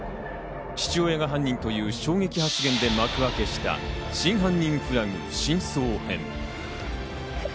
父親が犯人という衝撃発言で幕開けした『真犯人フラグ』真相編。